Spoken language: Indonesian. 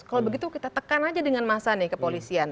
kalau begitu kita tekan aja dengan massa nih kepolisian